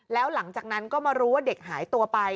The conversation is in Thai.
แล้วหลังจากนั้นก็มารู้ว่าเด็กหายตัวไป